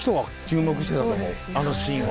あのシーンは。